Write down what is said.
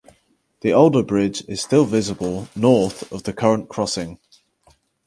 The older bridge is still visible north of the current crossing.